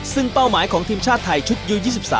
ซึ่งเป้าหมายของทีมชาติไทยชุดยู๒๓